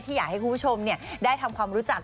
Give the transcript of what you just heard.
อยากให้คุณผู้ชมได้ทำความรู้จัก